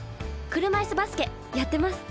車いすバスケやってます。